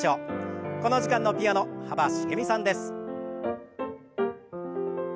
この時間のピアノ幅しげみさんです。